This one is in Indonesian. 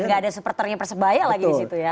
dan gak ada supporternya persebaya lagi disitu ya